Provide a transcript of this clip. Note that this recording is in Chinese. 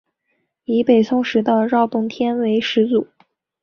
以北宋时的饶洞天为始祖。